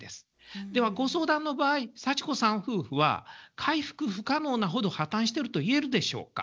ではご相談の場合サチコさん夫婦は回復不可能なほど破綻してると言えるでしょうか。